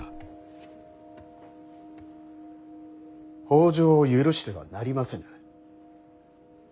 北条を許してはなりませぬ。